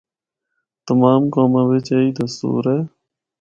تمام قوماں وچ ایہہ دستور اے۔